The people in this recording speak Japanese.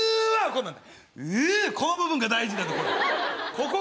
この部分が大事なとこ。